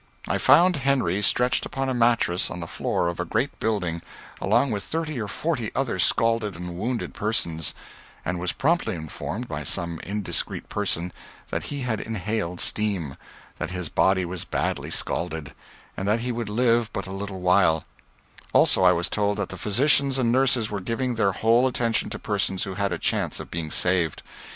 I found Henry stretched upon a mattress on the floor of a great building, along with thirty or forty other scalded and wounded persons, and was promptly informed, by some indiscreet person, that he had inhaled steam; that his body was badly scalded, and that he would live but a little while; also, I was told that the physicians and nurses were giving their whole attention to persons who had a chance of being saved.